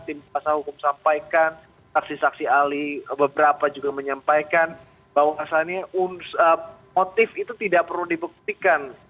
tim pasal hukum sampaikan taksi saksi alih beberapa juga menyampaikan bahwa kasarnya motif itu tidak perlu dibuktikan